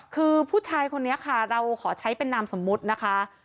คือผู้ชายคนนี้ค่ะเราขอใช้เป็นนามสมมุตินะคะ